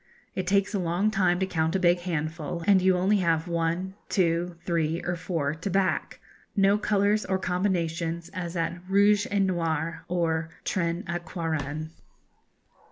It takes a long time to count a big handful, and you have only one, two, three, or four to back no colours or combinations, as at rouge et noir, or trente et quarante.